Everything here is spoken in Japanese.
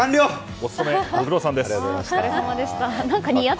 おつとめご苦労さまです。